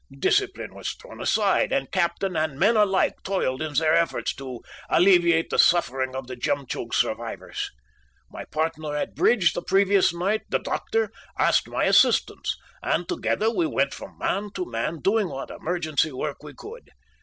"Discipline was thrown aside and Captain and men alike toiled in their efforts to alleviate the suffering of the Jemtchug's survivors. My partner at bridge the previous night, the doctor, asked my assistance, and together we went from man to man doing what emergency work we could.